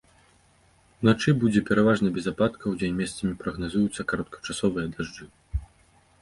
Уначы будзе пераважна без ападкаў, удзень месцамі прагназуюцца кароткачасовыя дажджы.